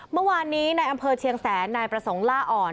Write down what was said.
เมื่อวานนี้ในอำเภอเชียงแสนนายประสงค์ล่าอ่อน